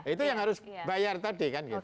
itu yang harus dibayar tadi